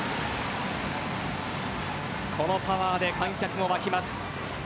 このパワーで観客も沸きます。